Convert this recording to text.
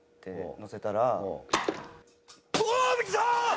載せたら。